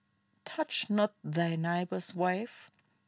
Touch not thy neighbor's ^'ife.